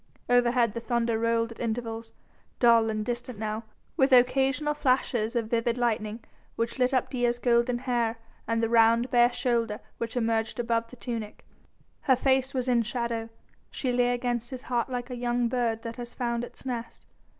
Overhead the thunder rolled at intervals, dull and distant now, with occasional flashes of vivid lightning which lit up Dea's golden hair and the round, bare shoulder which emerged above the tunic. Her face was in shadow; she lay against his heart like a young bird that has found its nest.